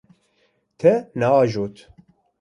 Te neajot.